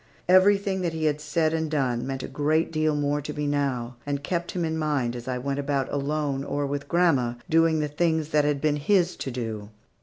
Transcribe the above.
Everything that he had said and done meant a great deal more to me now, and kept him in mind, as I went about alone, or with grandma, doing the things that had been his to do.